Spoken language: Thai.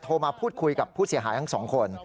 มาพูดคุยกับผู้เสียหายทั้งสองคน